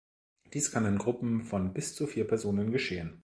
Dies kann in Gruppen von bis zu vier Personen geschehen.